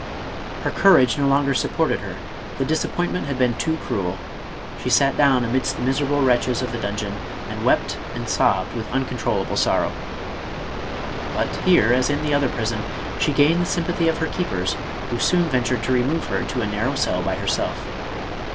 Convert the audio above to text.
Her courage no longer supported her; the disap pointment had been too cruel ; she sat down amidst the miserable wretches of the dungeon and wept and sobbed with uncontrollable sorrow. But here, as in the other prison, she gained the sympathy of her keepers, who soon ventured to remove her to a narrow cell by herself.